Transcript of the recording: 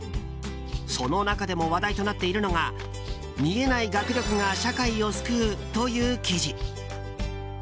その中でも話題となっているのが見えない学力が社会を救うという記事。